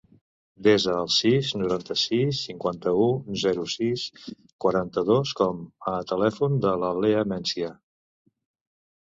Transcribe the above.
Desa el sis, noranta-sis, cinquanta-u, zero, sis, quaranta-dos com a telèfon de la Leah Mencia.